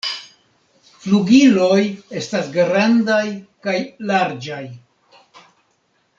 Flugiloj estas grandaj kaj larĝaj.